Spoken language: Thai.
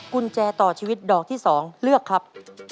กุญแจต่อชีวิตดอกที่๒เลือกครับ